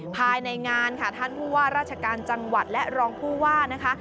ภายในงานค่ะท่านผู้ว่าราชการจังหวัดและรองผู้ว่านะคะ